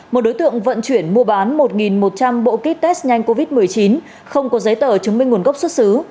một đối tượng vận chuyển mua bán một một trăm linh bộ kit test nhanh covid một mươi chín không có giấy tờ chứng minh nguồn gốc xuất xứ